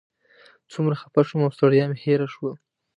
څومره خفه شوم او ستړیا مې هېره شوه.